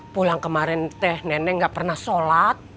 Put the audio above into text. pulang kemarin teh nenek gak pernah sholat